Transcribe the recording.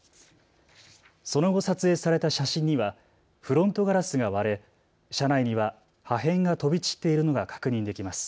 その後、撮影された写真にはフロントガラスが割れ、車内には破片が飛び散っているのが確認できます。